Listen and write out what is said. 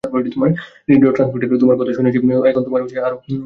Radio ট্রান্সমিটারে তোমার কথা শুনেছি, তবে এখন হয়ত আরও বিস্তারিত বলতে চাইবে।